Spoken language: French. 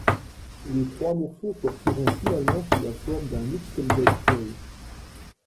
Les trois morceaux sortiront finalement sous la forme d'un Extended play.